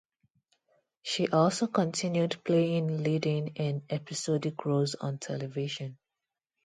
She also continued playing leading and episodic roles on television.